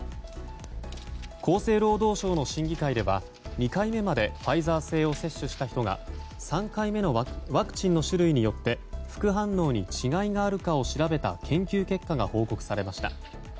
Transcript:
厚生労働省の審議会では２回目までファイザー製を接種した人が３回目のワクチンの種類によって副反応に違いがあるかを調べた研究結果が報告されました。